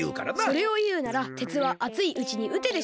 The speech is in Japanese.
それをいうなら「てつはあついうちにうて」でしょ。